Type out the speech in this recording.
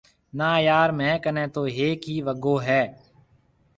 نا يار ميه ڪنَي تو هيَڪ ئي وگو هيَ۔